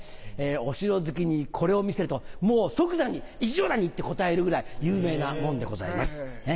お城好きにこれを見せるともう即座に一乗谷！って答えるぐらい有名な門でございます。